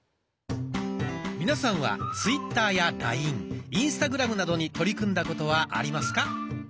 皆さんはツイッターやラインインスタグラムなどに取り組んだことはありますか？